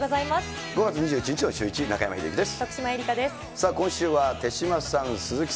５月２１日のシューイチ、中山秀征です。